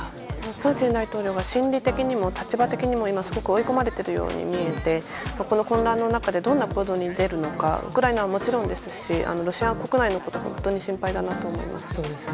プーチン大統領が心理的にも立場的にも今、すごく追い込まれているように見えてこの混乱の中でどんな行動に出るのかウクライナはもちろんですしロシア国内のことも本当に心配だなと思います。